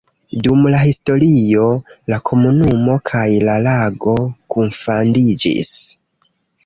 Dum la historio la komunumo kaj la lago kunfandiĝis.